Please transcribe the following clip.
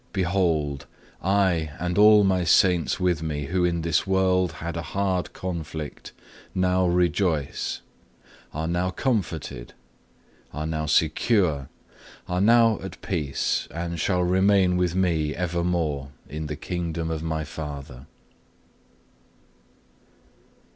Behold, I and all My Saints with Me, who in this world had a hard conflict, now rejoice, are now comforted, are now secure, are now at peace, and shall remain with Me evermore in the Kingdom of My Father."